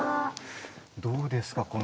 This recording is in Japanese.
どうですか